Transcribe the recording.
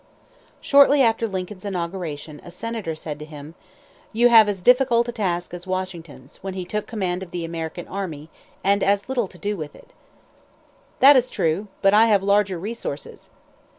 Shortly after Lincoln's inauguration, a senator said to him: "You have as difficult a task as Washington's, when he took command of the American Army, and as little to do it with." "That is true, but I have larger resources."